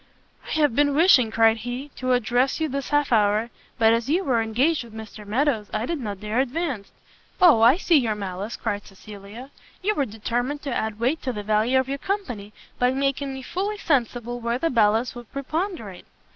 "I have been wishing," cried he, "to address you this half hour, but as you were engaged with Mr Meadows, I did not dare advance." "O, I see your malice!" cried Cecilia; "you were determined to add weight to the value of your company, by making me fully sensible where the balance would preponderate."